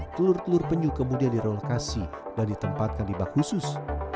telur telur penyu kemudian direlokasi dan ditempatkan di bak khusus